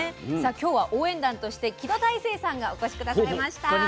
さあ今日は応援団として木戸大聖さんがお越し下さいました。